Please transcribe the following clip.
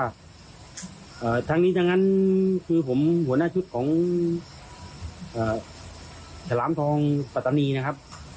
อ่าทางนี้ดังนั้นคือผมหัวหน้าชุดของแคระ